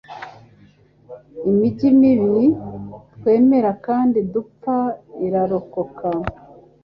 Imijyi mibi twemera kandi dupfa; irarokoka,